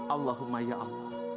allahumma ya allah